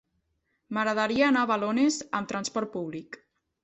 M'agradaria anar a Balones amb transport públic.